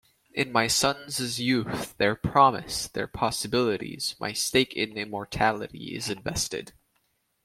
In my sons' youth, their promise, their possibilities, my stake in immortality is invested.